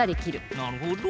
なるほど！